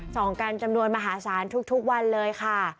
ส่องกันจำนวนมหาศาลทุกวันเลยค่ะ